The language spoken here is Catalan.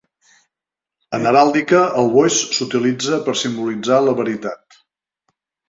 En heràldica, el boix s'utilitza per simbolitzar la veritat.